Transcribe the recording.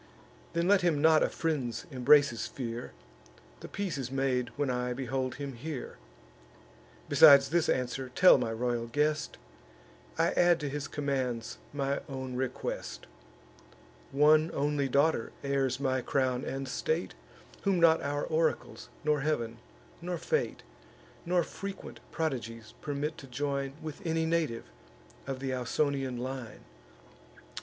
Then let him not a friend's embraces fear; The peace is made when I behold him here. Besides this answer, tell my royal guest, I add to his commands my own request: One only daughter heirs my crown and state, Whom not our oracles, nor Heav'n, nor fate, Nor frequent prodigies, permit to join With any native of th' Ausonian line.